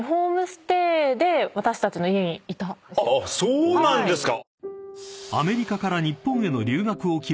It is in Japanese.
そうなんですか！